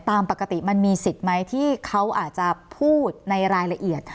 ตามปกติมันมีสิทธิ์ไหมที่เขาอาจจะพูดในรายละเอียด